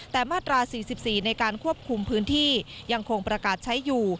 แต่มาตรา๔๔ในการควบคุมพื้นที่ยังคงประกาศใช้อยู่